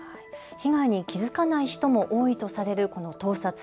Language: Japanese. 被害に気付かない人も多いとされるこの盗撮。